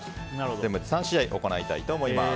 全部で３試合行いたいと思います。